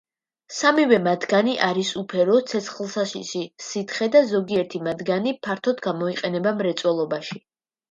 სამივე მათგანი არის უფერო, ცეცხლსაშიში სითხე და ზოგიერთი მათგანი ფართოდ გამოიყენება მრეწველობაში.